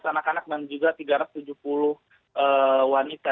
enam ratus empat belas anak anak dan juga tiga ratus tujuh puluh wanita